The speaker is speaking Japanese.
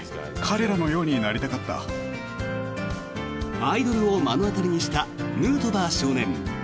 アイドルを目の当たりにしたヌートバー少年。